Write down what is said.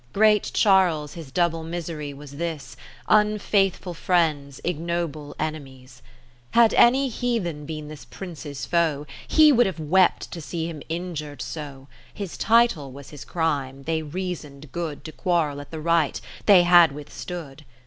Great Charles his double misery was this, Unfaithful friends, ignoble enemies. Had any heathen been this Prince's foe, He would have wept to see him injur'd so, His title was his crime, they'd reason good To quarrel at the right they had withstood.